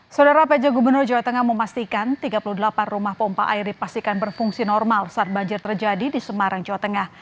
saudara pj gubernur jawa tengah memastikan tiga puluh delapan rumah pompa air dipastikan berfungsi normal saat banjir terjadi di semarang jawa tengah